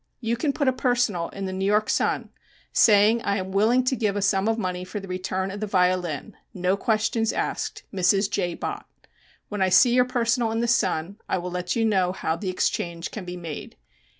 You can put a personal in the New York Sun saying I am willing to give a sum of money for the return of the violin. No questions asked. Mrs. J. Bott. When I see your personal in the Sun I will let you know how the exchange can be made.